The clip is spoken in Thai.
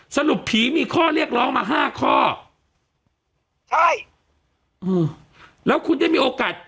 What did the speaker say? สรุปผีมีข้อเรียกร้องมาห้าข้อใช่อืมแล้วคุณได้มีโอกาส